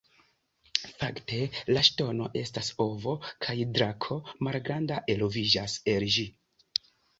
Fakte la ŝtono estas ovo kaj drako malgranda eloviĝas el ĝi.